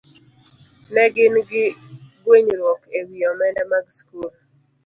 Ne gin gi gwenyruok e wi omenda mag skul.